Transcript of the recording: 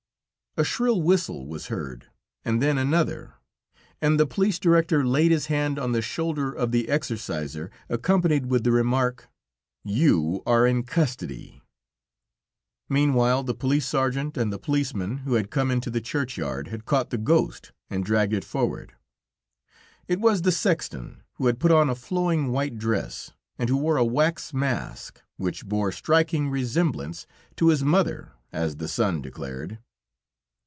A shrill whistle was heard, and then another, and the police director laid his hand on the shoulder of the exorcisor, accompanied with the remark: "You are in custody." Meanwhile, the police sergeant and the policeman, who had come into the churchyard, had caught the ghost, and dragged it forward. It was the sexton, who had put on a flowing, white dress, and who wore a wax mask, which bore striking resemblance to his mother, as the son declared.